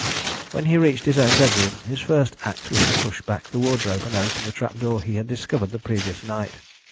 When he reached his own bedroom, his first act was to push back the wardrobe and open the trap door he had discovered the previous night.